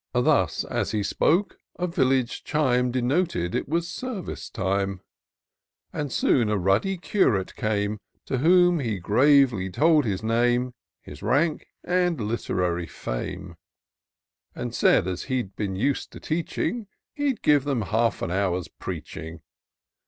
Thus as he spoke, a village chime Denoted it was service time : And soon a ruddy Curate came, To whom he gravely told his name, His rank and literary fame; And said, as he'd been iis'd to teaching, He'd give him half an hour's preaching.